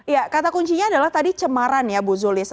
ya kata kuncinya adalah tadi cemaran ya bu zulis